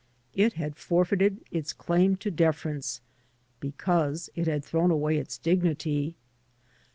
It had forfeited its claim to (Reference because it had thrown away its dignity.